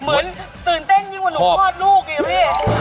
เหมือนตื่นเต้นยิ่งกว่าหนูคลอดลูกอีกพี่